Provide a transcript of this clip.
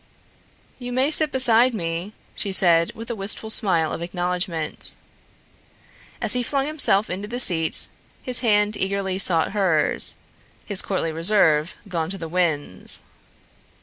"You may sit beside me," she said with a wistful smile of acknowledgment. As he flung himself into the seat, his hand eagerly sought hers, his courtly reserve gone to the winds.